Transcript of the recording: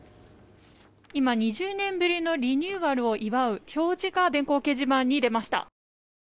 今、２０年ぶりのリニューアルを祝う表示が電光掲示板に出ました。